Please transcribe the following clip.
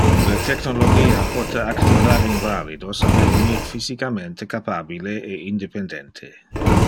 Le technologia pote activar invalidos a devenir physicamente capabile e independente.